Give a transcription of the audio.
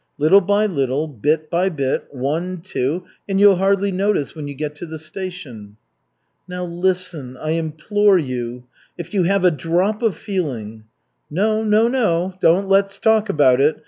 Little by little, bit by bit, one, two, and you'll hardly notice when you get to the station." "Now, listen, I implore you. If you have a drop of feeling " "No, no, no! Don't let us talk about it.